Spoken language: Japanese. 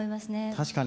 確かに。